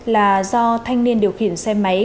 là do thanh niên điều khiển xe máy